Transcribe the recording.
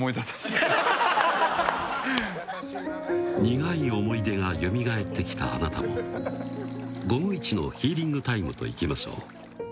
苦い思い出がよみがえってきた、あなたも午後一のヒーリングタイムといきましょう。